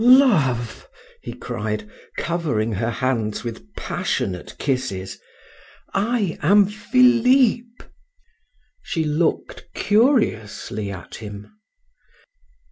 "Love!" he cried, covering her hands with passionate kisses, "I am Philip..." She looked curiously at him.